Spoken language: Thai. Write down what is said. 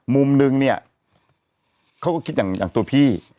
มุมนึงเนี่ยเขาก็คิดอย่างตัวพี่